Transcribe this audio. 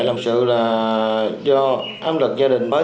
làm sự là do âm lực gia đình bớt